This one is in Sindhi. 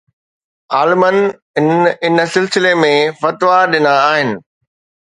عالمن ان سلسلي ۾ فتوا ڏنا آهن